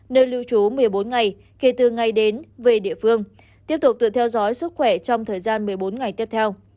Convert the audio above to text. nơi lưu trú một mươi bốn ngày kể từ ngày đến về địa phương tiếp tục tự theo dõi sức khỏe trong thời gian một mươi bốn ngày tiếp theo